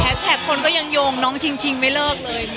แฮชแท็กคนยังโยงน้องชิงไม่กลับเลย